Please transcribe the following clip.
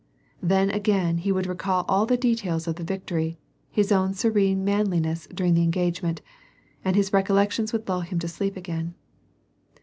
Then, again, he would recall all the details of the victory, his own serene manliness during the engagement, and his recollections would lull him to sleep again.